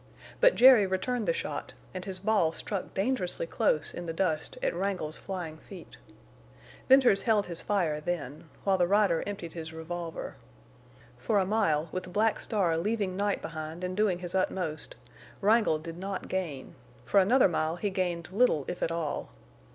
But Jerry returned the shot, and his ball struck dangerously close in the dust at Wrangle's flying feet. Venters held his fire then, while the rider emptied his revolver. For a mile, with Black Star leaving Night behind and doing his utmost, Wrangle did not gain; for another mile he gained little, if at all.